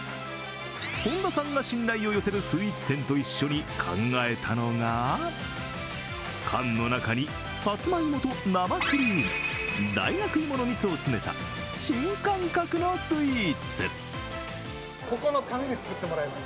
本田さんが信頼を寄せるスイーツ店と一緒に考えたのが缶の中に、さつまいもと生クリーム、大学芋の蜜を詰めた新感覚のスイーツ。